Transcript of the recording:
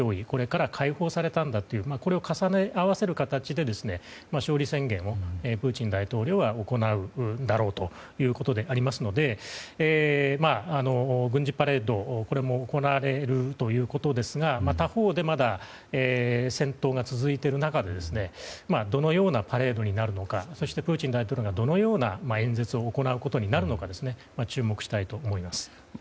これから解放されたんだというこれを重ね合わせることで勝利宣言をプーチン大統領は行うんだろうということでありますので軍事パレード、これも行われるということですが他方で、まだ戦闘が続いている中でどのようなパレードになるのかそして、プーチン大統領がどのような演説を行うことになるのか注目したいと思います。